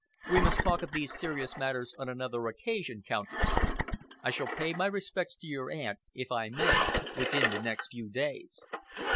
We must talk of these serious matters on another occasion, Countess. I shall pay my respects to your aunt, if I may, within the next few days."